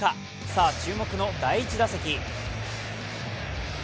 さあ、注目の第１打席。